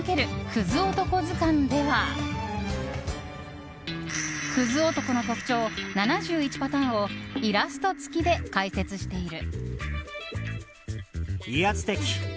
“クズ男”図鑑」ではクズ男の特徴７１パターンをイラスト付きで解説している。